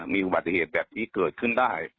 มีอุบัติเหตุแบบนี้เกิดขึ้นได้